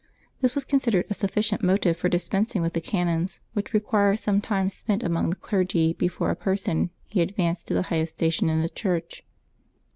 This was considered a sufficient motive for dispensing with the canons, which require some time spent among the clergy before a person be advanced to the highest station in the Church.